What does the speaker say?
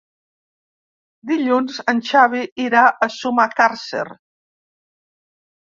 Dilluns en Xavi irà a Sumacàrcer.